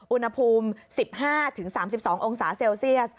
อุณหภูมิ๑๕๓๒องศาเซลเซียส